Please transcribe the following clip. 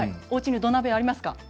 おうちに土鍋ありますか？